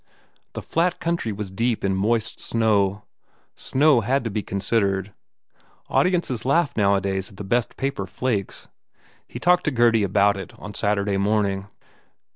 The flat country was deep in moist snow. Snow had to be considered. Audiences laughed nowadays at the best paper flakes. He talked to Gurdy about it on Saturday morning.